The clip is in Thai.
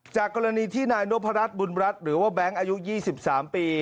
จากกรณีที่นายนพรัชบุญรัฐหรือว่าแบงค์อายุ๒๓ปี